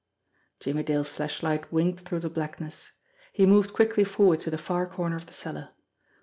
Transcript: Jimmie Dale's flashlight winked through the blackness. He moved quickly forward to the far corner of the cellar.